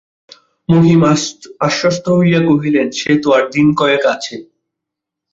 মহিম আশ্বস্ত হইয়া কহিলেন, সে তো আর দিন কয়েক আছে।